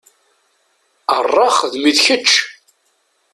Aṛṛa xdem-it kečč!